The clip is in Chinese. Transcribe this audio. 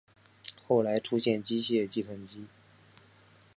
后来出现机械计算器。